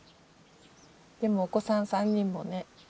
でもお子さん３人もね。